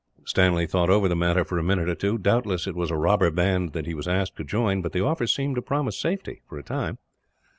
Stanley thought over the matter, for a minute or two. Doubtless it was a robber band that he was asked to join, but the offer seemed to promise safety, for a time.